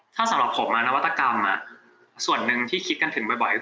ถ้าสำหรับผมนวัตกรรมส่วนหนึ่งที่คิดกันถึงบ่อย